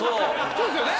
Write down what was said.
そうですよね。